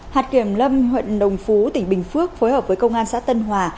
hạt kiểm lâm huyện đồng phú tỉnh bình phước phối hợp với công an xã tân hòa